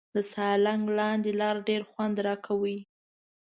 د سالنګ لاندې لار ډېر خوند راکاوه.